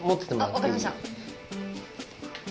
分かりました。